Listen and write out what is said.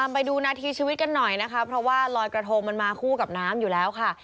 ไปดูนาทีชีวิตกันหน่อยนะคะเพราะว่าลอยกระทงมันมาคู่กับน้ำอยู่แล้วค่ะ